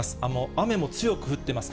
雨も強く降ってます。